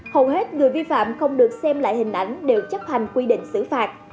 hầu hết người vi phạm không được xem lại hình ảnh đều chấp hành quy định xử phạt